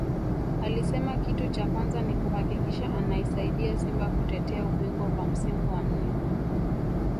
alisema kitu cha kwanza ni kuhakikisha anaisaidia Simba kutetea ubingwa kwa msimu wa nne